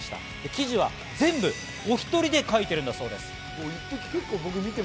記事は全部、お１人で書いているんだそうです。